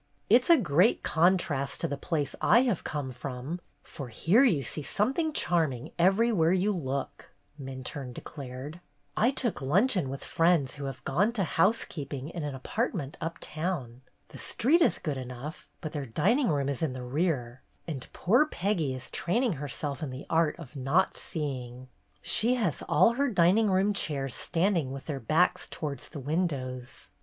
" It 's a great contrast to the place I have come from, for here you see something charm ing everywhere you look," Minturne declared. "I took luncheon with friends who have gone to housekeeping in an apartment uptown. The street is good enough, but their dining room is in the rear, and poor Peggy is training herself in the art of not seeing. She has all her dining room chairs standing with their backs towards the windows.